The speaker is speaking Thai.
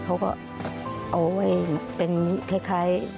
เขาก็เอาไว้เป็นคล้าย